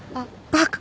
バカ！